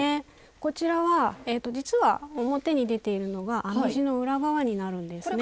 こちらは実は表に出ているのが編み地の裏側になるんですね。